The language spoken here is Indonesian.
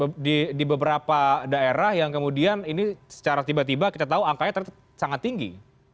ada di beberapa daerah yang kemudian ini secara tiba tiba kita tahu angkanya sangat tinggi